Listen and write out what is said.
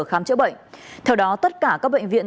khám chữa bệnh theo đó tất cả các bệnh viện